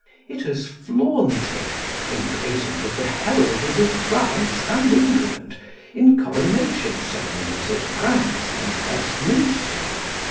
It has flaunted, emblazoned with the heraldries of France and England, in coronation ceremonies at Rheims and Westminster.